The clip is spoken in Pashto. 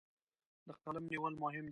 د قلم نیول مهم دي.